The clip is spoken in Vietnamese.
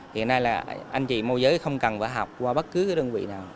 hiện nay là anh chị môi giới không cần phải học qua bất cứ đơn vị nào